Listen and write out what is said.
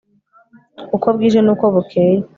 Uko bwije n uko bukeye